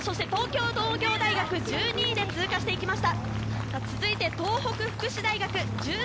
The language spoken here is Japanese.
東京農業大学、１２位で通過していきました。